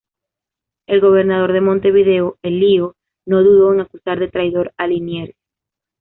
El gobernador de Montevideo, Elío, no dudó en acusar de traidor a Liniers.